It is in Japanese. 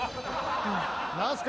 何すか？